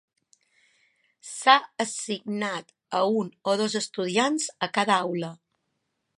S"ha assignat a un o dos estudiants a cada aula.